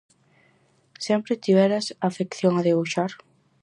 Sempre tiveras afección a debuxar?